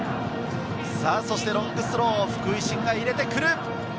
ロングスロー、福井槙が入れてくる。